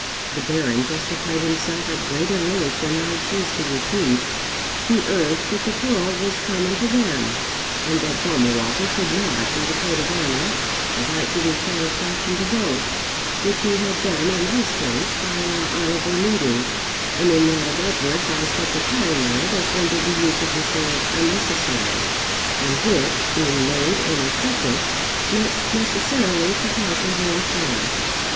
The Baron justified himself at greater length than I choose to repeat. He urged that the quarrel was common to them, and that Balmawhapple could not, by the code of honour, evite giving satisfaction to both, which he had done in his case by an honourable meeting, and in that of Edward by such a palinode as rendered the use of the sword unnecessary, and which, being made and accepted, must necessarily sopite the whole affair.